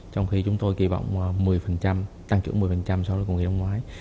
trong khi chúng tôi kỳ vọng một mươi tăng trưởng một mươi sau cuộc kỳ đông ngoái